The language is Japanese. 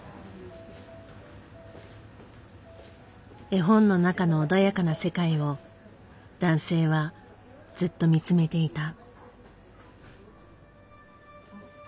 絵本の中の穏やかな世界を男性はずっと見つめていた。